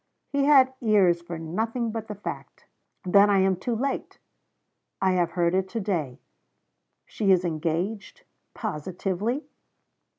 He had ears for nothing but the fact. 'Then I am too late!' 'I have heard it to day.' 'She is engaged! Positively?'